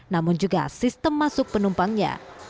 namun juga sistem masuk penumpangnya